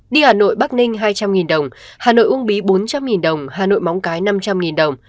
đi hà nội băng ninh hai trăm linh đồng hà nội uông bí bốn trăm linh đồng hà nội mong cái năm trăm linh đồng